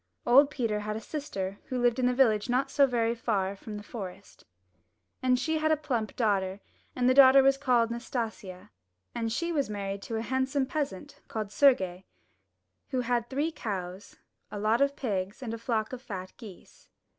Old Peter had a sister who lived in the village not so very far away from the forest. And she had a plump daughter, and the daughter was called Nas tasia, and she was married to a handsome peasant called Sergie, who had three cows, a lot of pigs, and a flock of fat geese.